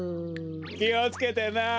きをつけてな。